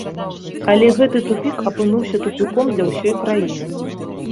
Але гэты тупік апынуўся тупіком для ўсёй краіны.